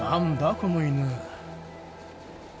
この犬。